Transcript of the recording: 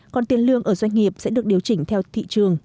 còn tiền lương ở doanh nghiệp sẽ được điều chỉnh theo thị trường